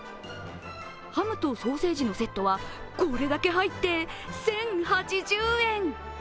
ハムとソーセージのセットは、これだけ入って１０８０円。